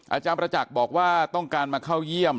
อาจารย์ประจักษ์บอกว่าต้องการมาเข้าเยี่ยม